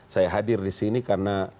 saya hadir disini karena